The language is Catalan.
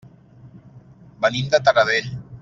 Venim de Taradell.